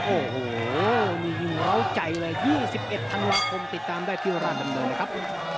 โอ้โหมีอยู่ร้าวใจว่า๒๑ธนวาคมติดตามได้ที่ร้านดำเนินครับ